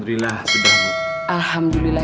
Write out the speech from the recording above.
ya ya allah